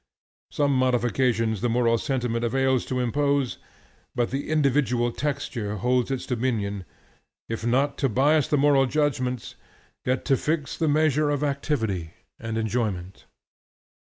Some modifications the moral sentiment avails to impose, but the individual texture holds its dominion, if not to bias the moral judgments, yet to fix the measure of activity and of enjoyment.